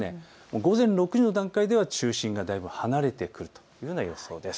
午前６時の段階では中心はだいぶ離れてくるというような予想です。